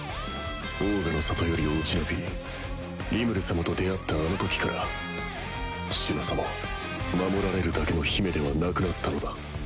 オーガの里より落ち延びリムル様と出会ったあの時からシュナ様は守られるだけの姫ではなくなったのだ